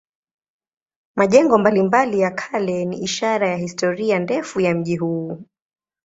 Majengo mbalimbali ya kale ni ishara ya historia ndefu ya mji huu.